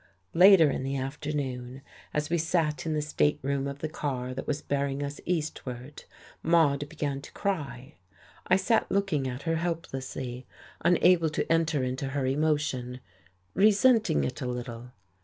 Later in the afternoon, as we sat in the state room of the car that was bearing us eastward, Maude began to cry. I sat looking at her helplessly, unable to enter into her emotion, resenting it a little.